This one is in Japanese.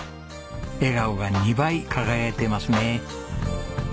笑顔が２倍輝いていますね。